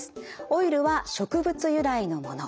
オイルは植物由来のもの。